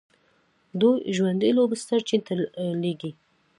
دوی ژوندي لوبسټر چین ته لیږي.